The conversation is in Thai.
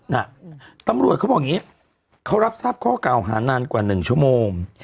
น่ะตำรวจเขาบอกอย่างนี้เขารับทราบข้อเก่าหานานกว่าหนึ่งชั่วโมง